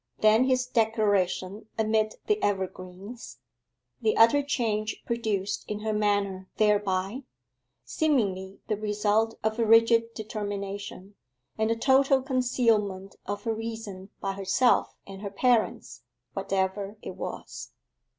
Then his declaration amid the evergreens: the utter change produced in her manner thereby, seemingly the result of a rigid determination: and the total concealment of her reason by herself and her parents, whatever it was.